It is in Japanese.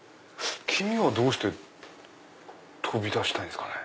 黄身はどうして飛び出したいんですかね？